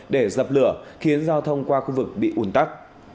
để dập lửa khiến giao thông qua khu vực bị ủn tắc